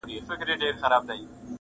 نه په ژوند کي یې څه پاته نه یې خوند وو٫